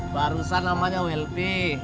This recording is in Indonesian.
barusan namanya wlb